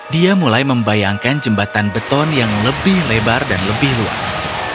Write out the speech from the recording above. dia mulai membayangkan jembatan beton yang lebih lebar dan lebih luas